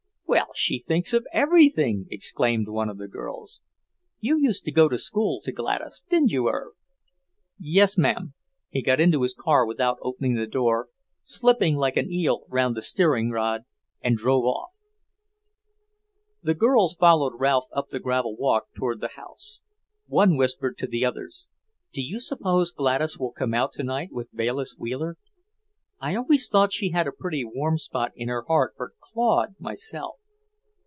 "Well, she thinks of everything!" exclaimed one of the girls. "You used to go to school to Gladys, didn't you, Irv?" "Yes, mam." He got into his car without opening the door, slipping like an eel round the steering rod, and drove off. The girls followed Ralph up the gravel walk toward the house. One whispered to the others: "Do you suppose Gladys will come out tonight with Bayliss Wheeler? I always thought she had a pretty warm spot in her heart for Claude, myself."